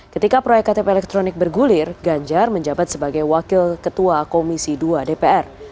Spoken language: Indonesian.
ketika proyek ktp elektronik bergulir ganjar menjabat sebagai wakil ketua komisi dua dpr